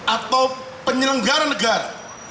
atau penyelenggara negara